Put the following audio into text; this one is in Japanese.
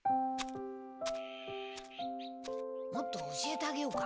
もっと教えてあげようか？